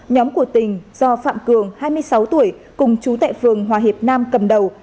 nhóm của tình do phạm cường hai mươi sáu tuổi cùng chú tại phường hòa hiệp nam cầm đầu